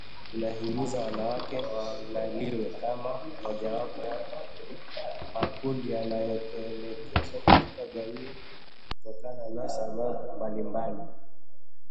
Inahimiza wanawake waangaliwe kama mojawapo ya makundi yanayotelekezwa katika jamii kutokana na sababu mbalimbali